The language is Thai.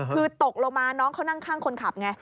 คือตกลงมาน้องเขานั่งข้างคนขับไง